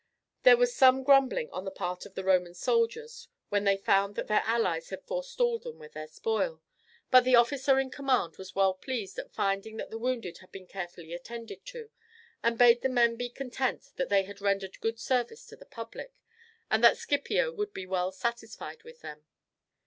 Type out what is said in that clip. There was some grumbling on the part of the Roman soldiers when they found that their allies had forestalled them with the spoil; but the officer in command was well pleased at finding that the wounded had been carefully attended to, and bade the men be content that they had rendered good service to the public, and that Scipio would be well satisfied with them.